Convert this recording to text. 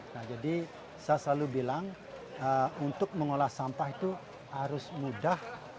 nah jadi saya selalu bilang untuk mengolah sampah itu harus mudah